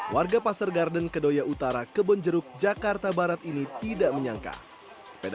warga pasar garden kedoya utara kebonjeruk jakarta barat ini tidak menyangka sepeda